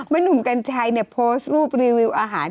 หนุ่มกัญชัยโพสต์รูปรีวิวอาหาร